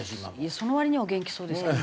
その割にはお元気そうですけどね。